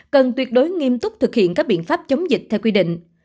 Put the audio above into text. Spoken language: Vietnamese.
cần tuyệt đối nghiêm túc thực hiện các biện pháp chống dịch theo quy định